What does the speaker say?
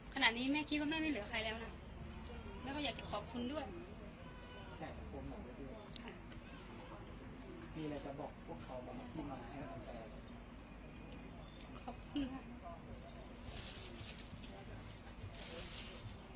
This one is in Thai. ขณะนี้แม่คิดว่าแม่ไม่เหลือใครแล้วนะแม่ก็อยากจะขอบคุณด้วย